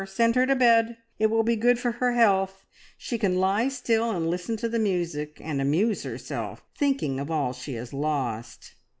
Send her to bed! It will be good for her health. She can lie still and listen to the music, and amuse herself thinking of all she has lost.'"